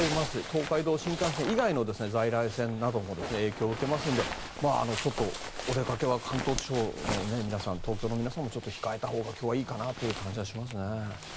東海道新幹線以外の在来線なども影響を受けますのでお出かけは、関東地方の皆さん東京の皆さんも控えたほうが今日はいいかなという気がしますね。